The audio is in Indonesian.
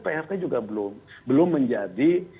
prt juga belum menjadi